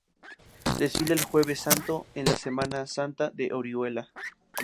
Desfila el Jueves Santo en la Semana Santa de Orihuela.